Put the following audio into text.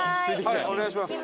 はいお願いします。